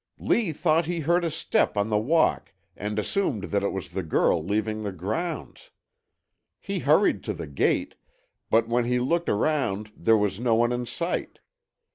"Lee thought he heard a step on the walk and assumed that it was the girl leaving the grounds. He hurried to the gate, but when he looked around there was no one in sight.